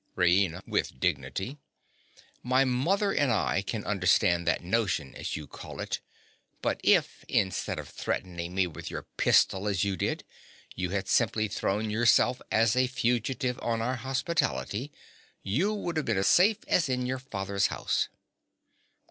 RAINA. (with dignity). My mother and I can understand that notion, as you call it. And if instead of threatening me with your pistol as you did, you had simply thrown yourself as a fugitive on our hospitality, you would have been as safe as in your father's house.